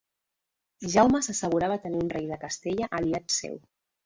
Jaume s'assegurava tenir un rei de Castella aliat seu.